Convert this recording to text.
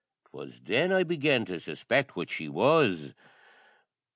'Twas then I began to suspect what she was.